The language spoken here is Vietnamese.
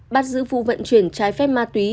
bắt giữ vụ vận chuyển trái phép ma túy